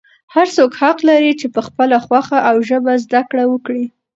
هر څوک حق لري چې په خپله خوښه او ژبه زده کړه وکړي.